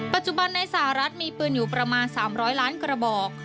ปัจจุบันในสหรัฐมีปืนอยู่ประมาณ๓๐๐ล้านกระบอก